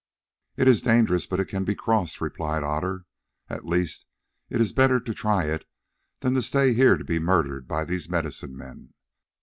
"It is dangerous, but it can be crossed," replied Otter; "at the least, it is better to try it than to stay here to be murdered by the medicine men."